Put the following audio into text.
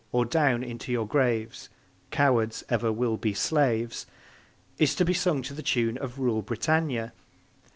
or down into your graves! Cowards ever will be slaves! is to be sung to the tune of Rule, Britannia!